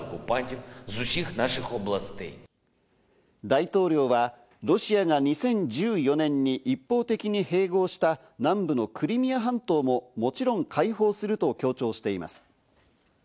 大統領は、ロシアが２０１４年に一方的に併合した南部のクリミア半島ももちろん解放すると強調しています。